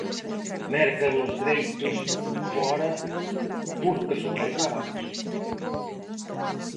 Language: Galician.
Mercan os dereitos fóra porque son máis baratos.